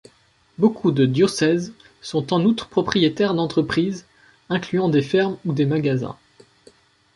Beaucoup de diocèses sont en outre propriétaires d'entreprises, incluant des fermes ou des magasins.